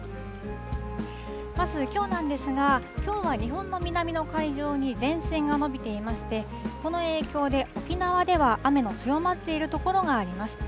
まずきょうなんですが、きょうは日本の南の海上に前線が延びていまして、この影響で沖縄では雨の強まっている所があります。